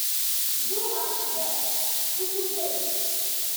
Ddu ɣer sdat, ttu tuggadin!